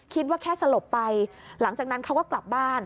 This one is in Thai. คิดว่าแค่สลบไปหลังจากนั้นเขาก็กลับบ้าน